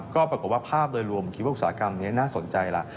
ก็ปรากฏว่าภาพโดยรวมผมคิดว่าอุตสาหกรรมนี้น่าสนใจล่ะ